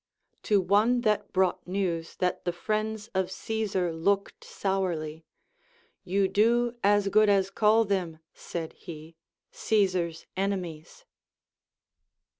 To one that brought news that the friends of Caesar looked sourly, You do as good as call them, said he, Caesar's enemies.